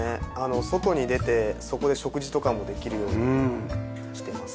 外に出てそこで食事とかもできるようにしてます。